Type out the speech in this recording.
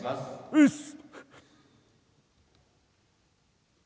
うっす！